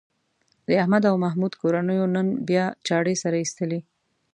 د احمد او محمود کورنیو نن بیا چاړې سره ایستلې.